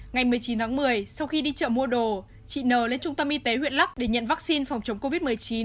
ngày một mươi chín tháng một mươi sau khi đi chợ mua đồ chị n lên trung tâm y tế huyện lắc để nhận vaccine phòng chống covid một mươi chín